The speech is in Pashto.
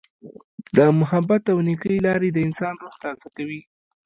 د محبت او نیکۍ لارې د انسان روح تازه کوي.